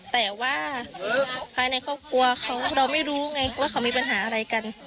แต่ว่าภายในครอบครัวเขาเราไม่รู้ไงว่าเขามีปัญหาอะไรกัน